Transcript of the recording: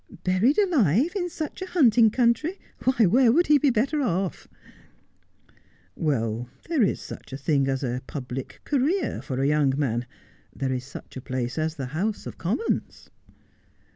' Buried alive in such a hunting country ! Why, where could he be better off ?'' Well, there is such a thing as a public career for a young man — there is such a place as the House of Commons.'